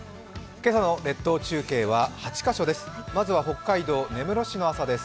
今朝の列島中継は８カ所です。